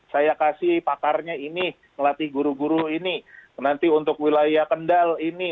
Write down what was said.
saya kasih pakarnya ini ngelatih guru guru ini nanti untuk wilayah kendal ini